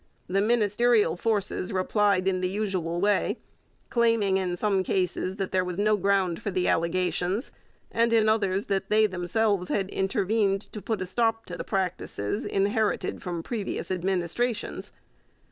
The ministerial forces replied in the usual way, claiming in some cases that there was no ground for the allegations, and in others that they themselves had intervened to put a stop to the practices inherited from previous administrations.